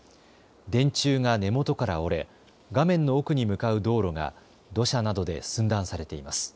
電柱が根元から折れ画面の奥に向かう道路が土砂などで寸断されています。